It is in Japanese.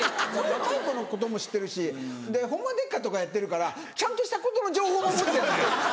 若い子のことも知ってるしで『ホンマでっか⁉』とかやってるからちゃんとしたことの情報も持ってる。